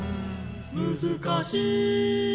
「難しい」